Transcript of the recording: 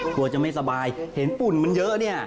กลัวจะไม่สบายเห็นฝุ่นมันเยอะเนี่ย